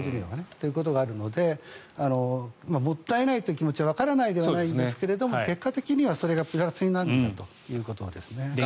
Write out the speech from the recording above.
そういうことがあるのでもったいないという気持ちはわからないではないんですが結果的にはそれがプラスになるんだということですね。